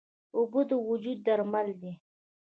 اوبه د وجود درمل دي.